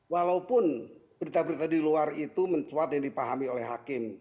walaupun berita berita di luar itu mencuat yang dipahami oleh hakim